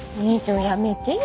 やめてよ。